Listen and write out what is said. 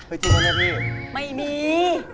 เฮ่ยจริงหรือไม่พี่